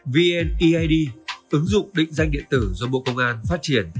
vneid ứng dụng định danh điện tử do bộ công an phát triển